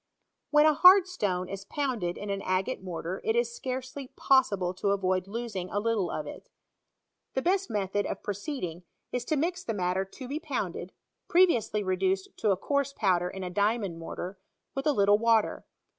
When a hard stone is pounded in an agate mortar it is scarcely possible to avoid losing a little of it. The best method of proceeding; is to mix the matter to be pounded (previously reduced to a coarse pow der in a diamond mortar) with a little water.